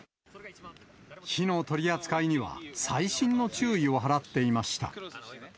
火の取り扱いには細心の注意を払っていました。